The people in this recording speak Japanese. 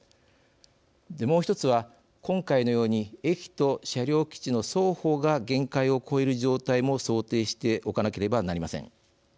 もう１つは、今回のように駅と車両基地の双方が限界を超える状態も想定しておかなければなりません。